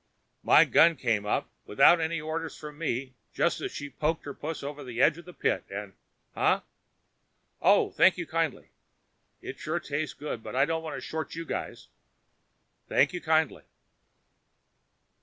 My gun came up without any orders from me just as she poked her puss over the edge of the pit, and huh? Oh, thank you kindly. It sure tastes good but I don't want to short you guys. Thank you kindly.